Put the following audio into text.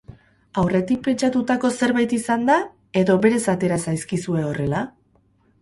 Aurretik pentsatutako zerbait izan da edo berez atera zaizkizue horrela?